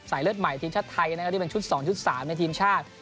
เลือดใหม่ทีมชาติไทยนะครับที่เป็นชุด๒ชุด๓ในทีมชาติ